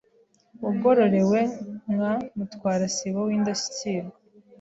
wagororewe nka mutwarasibo w’Indashyikirwa